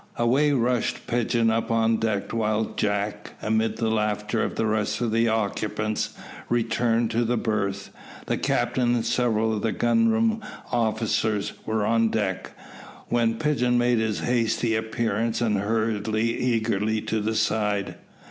Away rushed Pigeon up on deck, while Jack, amid the laughter of the rest of the occupants, returned to the berth. The captain and several of the gun room officers were on deck, when Pigeon made his hasty appearance, and hurried eagerly to the side.